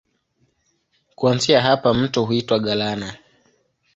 Kuanzia hapa mto huitwa Galana.